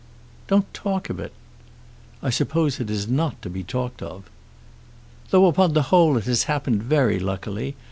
"Don't talk of it." "I suppose it is not to be talked of." "Though upon the whole it has happened very luckily.